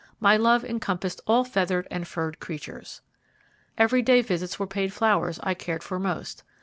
My love encompassed all feathered and furred creatures. Every day visits were paid flowers I cared for most.